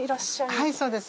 はいそうです。